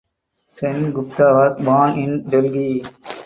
Sen Gupta was born in Delhi.